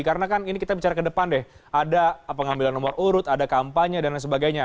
karena kan ini kita bicara ke depan deh ada pengambilan nomor urut ada kampanye dan lain sebagainya